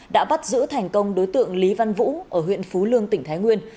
đã bắt giữ thành công đối tượng lý văn vũ ở huyện phú lương tỉnh thái nguyên